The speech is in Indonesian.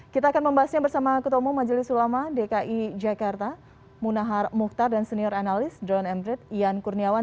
kita akan membahasnya bersama ketemu majelis ulama dki jakarta munahar muhtar dan senior analis john emdrit ian kurniawan